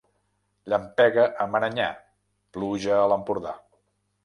Llampega a Marenyà, pluja a l'Empordà.